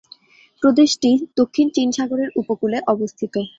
প্রদেশটি দক্ষিণ চীন সাগরের উপকূলে অবস্থিত।